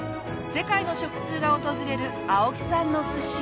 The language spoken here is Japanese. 世界の食通が訪れる青木さんの寿司。